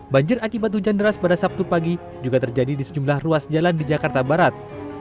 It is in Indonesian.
banjir akibat hujan deras pada sabtu pagi juga terjadi di sejumlah ruas jalan di jakarta barat